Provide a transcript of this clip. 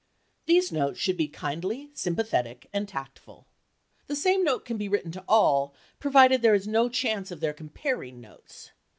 These notes should be kindly, sympathetic and tactful. The same note can be written to all, provided there is no chance of their comparing notes.